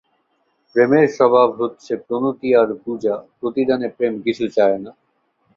প্রেমের স্বভাব হচ্ছে প্রণতি আর পূজা, প্রতিদানে প্রেম কিছু চায় না।